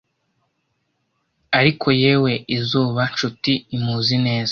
ariko yewe izuba nshuti imuzi neza